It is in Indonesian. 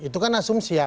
itu kan asumsi ya